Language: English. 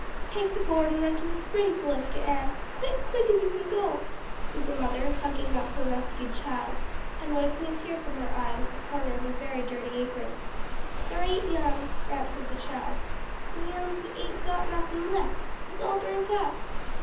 "Take the gourd and run to the spring Celestia Ann; quick, quick as you kin go," said the mother hugging up her rescued child, and wiping a tear from her eye with the corner of a very dirty apron. "There ain't none," answered the child, "we uns ain't got nothin' left; it's all burnt up."